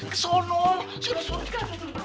ke sana ke sana